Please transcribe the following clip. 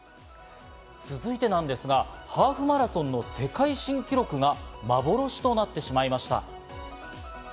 続いてなんですが、ハーフマラソンの世界新記録が幻となってしまいました。